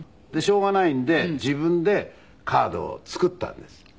しょうがないんで自分でカードを作ったんです。